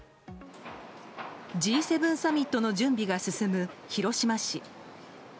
Ｇ７サミットの準備が進む広島市。